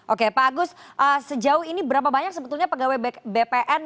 oke pak agus sejauh ini berapa banyak sebetulnya pegawai bpn